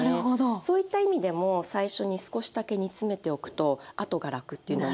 そういった意味でも最初に少しだけ煮つめておくと後が楽ってなる。